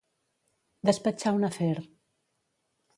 Despatxar un afer.